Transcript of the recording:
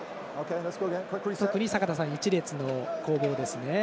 特に坂田さん、１列の攻防ですね。